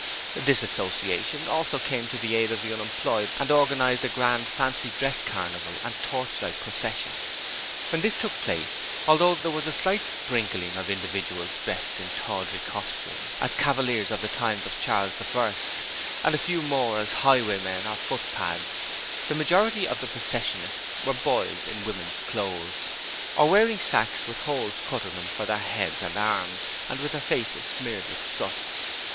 This association also came to the aid of the unemployed and organized a Grand Fancy Dress Carnival and Torchlight Procession. When this took place, although there was a slight sprinkling of individuals dressed in tawdry costumes as cavaliers of the time of Charles I, and a few more as highwaymen or footpads, the majority of the processionists were boys in women's clothes, or wearing sacks with holes cut in them for their heads and arms, and with their faces smeared with soot.